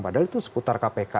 padahal itu seputar kpk